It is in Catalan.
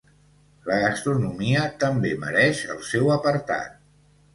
La gastronomia també mereix el seu apartat.